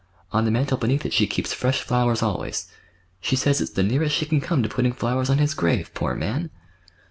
On the mantel beneath it she keeps fresh flowers always. She says it's the nearest she can come to putting flowers on his grave, poor man!"